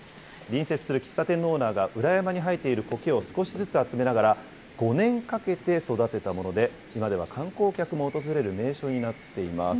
隣接する喫茶店のオーナーが、裏山に生えているこけを少しずつ集めながら、５年かけて育てたもので、今では観光客も訪れる名所になっています。